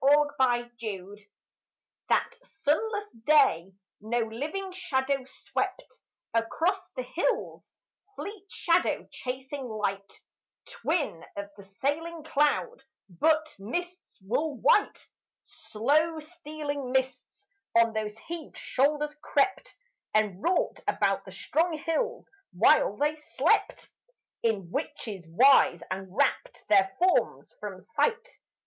A MYSTERY That sunless day no living shadow swept Across the hills, fleet shadow chasing light, Twin of the sailing cloud: but, mists wool white, Slow stealing mists, on those heaved shoulders crept, And wrought about the strong hills while they slept In witches' wise, and rapt their forms from sight.